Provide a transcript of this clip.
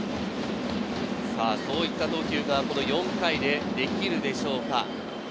そういった投球がこの４回でできるでしょうか？